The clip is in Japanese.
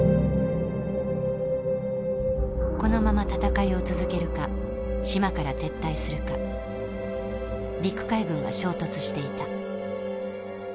このまま戦いを続けるか島から撤退するか陸海軍が衝突していた。